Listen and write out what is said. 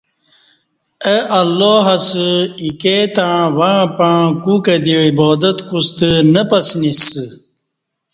اہ االلہ اسہ ایکے تݩع وݩع پݩع کُوکہ دی عبا د ت کوستہ نہ پسنیسہ